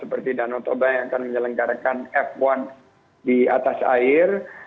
seperti danau toba yang akan menyelenggarakan f satu di atas air